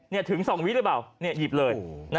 นี่ถึง๒วิหรือเปล่าหยิบเลย